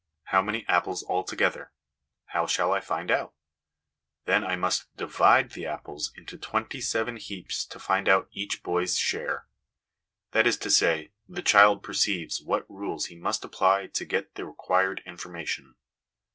' How many apples altogether ? How shall I find out ? Then I must divide the apples into twenty seven heaps to find out each boy's share.' That is to say, the child perceives what rules he must apply to get the required information.